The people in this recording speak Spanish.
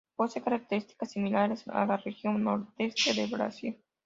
Posee características similares a la Región Nordeste del Brasil.